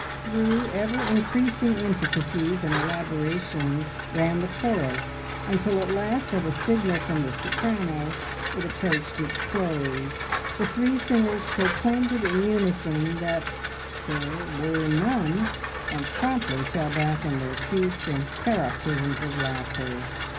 Through ever increasing intricacies and elaborations ran the chorus, until at last at a signal from the soprano it approached its close, the three singers proclaimed in unison that "there were none!" and promptly fell back in their seats in paroxysms of laughter.